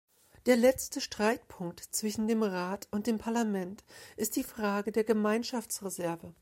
Der letzte Streitpunkt zwischen dem Rat und dem Parlament ist die Frage der Gemeinschaftsreserve.